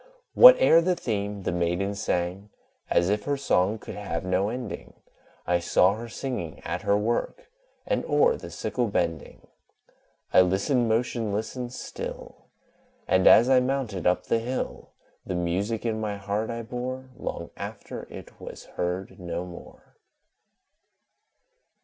Whate'er the theme, the Maiden sang As if her song could have no ending; I saw her singing at her work, And o'er the sickle bending; I listened, motionless and still; And, as I mounted up the hill The music in my heart I bore, Long after it was heard no more.